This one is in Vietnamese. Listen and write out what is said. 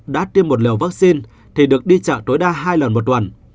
đã tiêm một liều vaccine thì được đi chợ tối đa hai lần một tuần